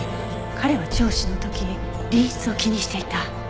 彼は聴取の時隣室を気にしていた。